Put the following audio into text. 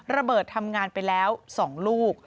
ระเบิดทำงานไปแล้ว๒ลูก